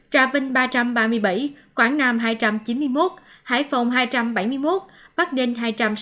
ba trăm bốn mươi bảy trà vinh ba trăm ba mươi bảy quảng nam hai trăm chín mươi một hải phòng hai trăm bảy mươi một bắc đình